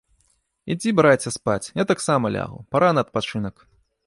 Ідзі, браце, спаць, я таксама лягу, пара на адпачынак.